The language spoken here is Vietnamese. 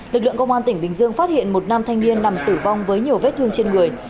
lực lượng công an tỉnh bình dương phát hiện một nam thanh niên nằm tử vong với nhiều vết thương trên người